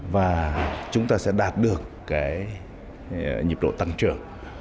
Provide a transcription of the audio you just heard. và chúng ta sẽ đạt được cái nhịp độ tăng trưởng